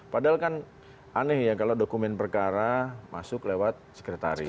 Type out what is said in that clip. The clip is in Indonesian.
padahal kan aneh ya kalau dokumen perkara masuk lewat sekretaris